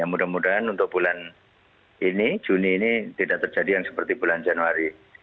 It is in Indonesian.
mudah mudahan untuk bulan ini juni ini tidak terjadi yang seperti bulan januari